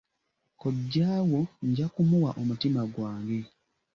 Kojja wo nja kumuwa omutima gwange.